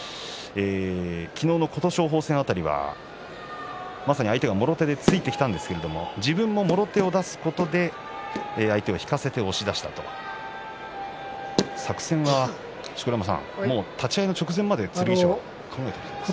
昨日の琴勝峰戦辺りは相手がもろ手で突いてきたんですが、自分ももろ手を出すことで相手を引かせて押し出したと作戦は錣山さん、立ち合いの直前まで考えてるんですね。